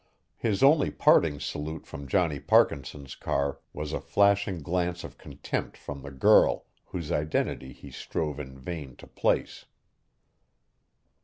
His only parting salute from Johnny Parkinson's car was a flashing glance of contempt from the girl, whose identity he strove in vain to place.